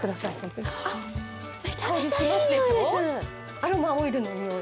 アロマオイルの匂い。